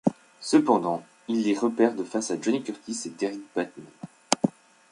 Cependant, ils les reperdent face à Johnny Curtis et Derrick Bateman.